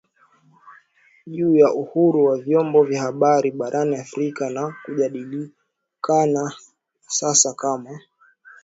juu ya uhuru wa vyombo vya habari barani Afrika na kujulikana sasa kama